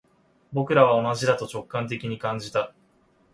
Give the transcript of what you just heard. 僕らは同じだと直感的に感じた